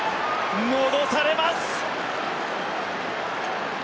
戻されます。